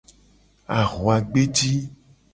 Ahuagbeji.